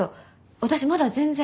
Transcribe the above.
私まだ全然。